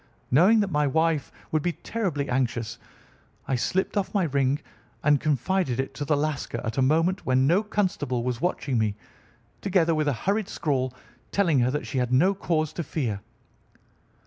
Knowing that my wife would be terribly anxious, I slipped off my ring and confided it to the Lascar at a moment when no constable was watching me, together with a hurried scrawl, telling her that she had no cause to fear."